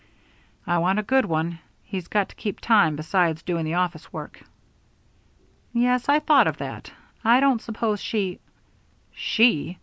"I want a good one he's got to keep time besides doing the office work." "Yes, I thought of that. I don't suppose she " "She?